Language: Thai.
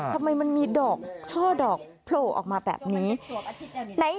ทำไมมันมีดอกช่อดอกโผล่ออกมาแบบนี้